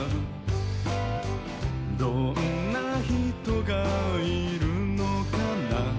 「どんなひとがいるのかな」